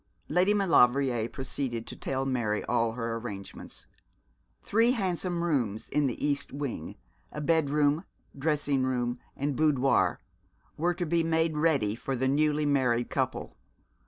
Lady Maulevrier proceeded to tell Mary all her arrangements. Three handsome rooms in the east wing, a bedroom, dressing room, and boudoir, were to be made ready for the newly married couple.